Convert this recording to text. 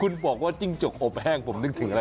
คุณบอกว่าจิ้งจกอบแห้งผมนึกถึงอะไร